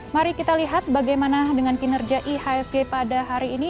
mari kita lihat bagaimana dengan kinerja ihsg pada hari ini